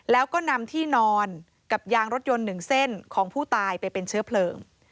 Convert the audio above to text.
แล้วก็นำที่นอนกับยางรถยนต์หนึ่งเส้นของผู้ตายไปเป็นเชื้อเพลิง